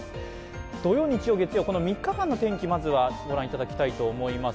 土曜、日曜、月曜、３日間の天気をまずは御覧いただきたいと思います。